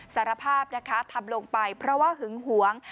สารภาพนะคะทำลงไปเพราะว่าหึงหวง